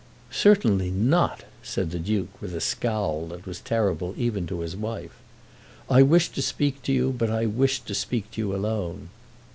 "Certainly not," said the Duke, with a scowl that was terrible even to his wife. "I wished to speak to you, but I wished to speak to you alone."